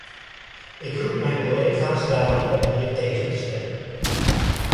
Ik roep mijn collega's daarom op hier tegen te stemmen.